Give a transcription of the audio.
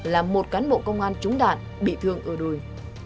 làm một cán bộ công an trúng đạn bị thương ưa đùi